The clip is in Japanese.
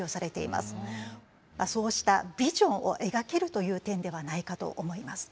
そうしたビジョンを描けるという点ではないかと思います。